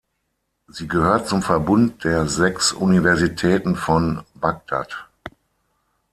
Sie gehört zum Verbund der sechs Universitäten von Bagdad.